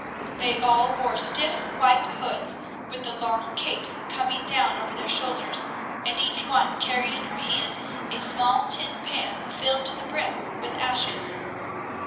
They all wore stiff white hoods, with the long capes coming down over their shoulders, and each one carried in her hand a small tin pan filled to the brim with ashes.